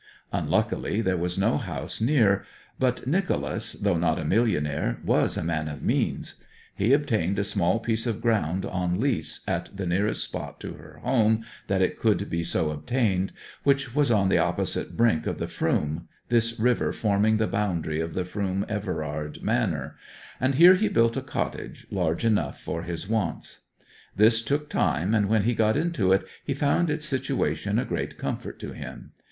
Unluckily there was no house near. But Nicholas, though not a millionaire, was a man of means; he obtained a small piece of ground on lease at the nearest spot to her home that it could be so obtained, which was on the opposite brink of the Froom, this river forming the boundary of the Froom Everard manor; and here he built a cottage large enough for his wants. This took time, and when he got into it he found its situation a great comfort to him.